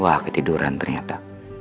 wah ketiduran ternyata